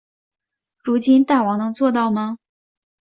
如今大王能做到吗？